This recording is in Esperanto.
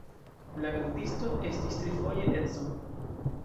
La kantisto estis trifoje edzo.